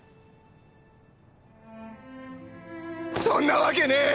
そんなわけねェ！！